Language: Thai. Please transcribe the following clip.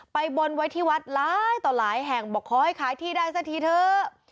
บนไว้ที่วัดหลายต่อหลายแห่งบอกขอให้ขายที่ได้สักทีเถอะ